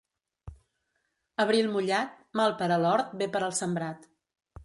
Abril mullat, mal per a l'hort, bé per al sembrat.